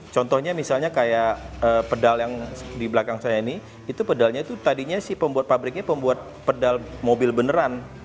contohnya misalnya kayak pedal yang di belakang saya ini itu pedalnya itu tadinya si pembuat pabriknya pembuat pedal mobil beneran